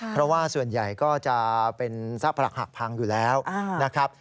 เพราะว่าส่วนใหญ่ก็จะเป็นซากผลักหักพังอยู่แล้วนะครับ